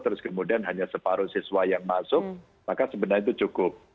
terus kemudian hanya separuh siswa yang masuk maka sebenarnya itu cukup